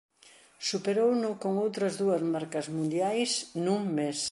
Superouno con outras dúas marcas mundiais nun mes.